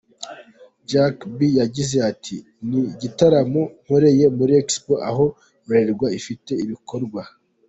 com, Jack B yagize ati “Ni igitaramo nakoreye muri Expo aho Bralirwa ifite ibikorwa.